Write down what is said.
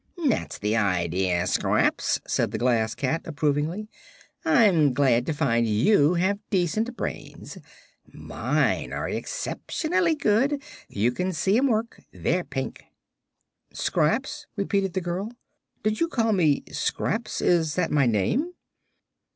"That's the idea, Scraps," said the Glass Cat, approvingly. "I'm glad to find you have decent brains. Mine are exceptionally good. You can see 'em work; they're pink." "Scraps?" repeated the girl. "Did you call me 'Scraps'? Is that my name?"